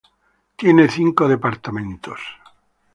Tiene cinco departamentos.